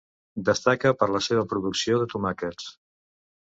Destaca per la seva producció de tomàquets.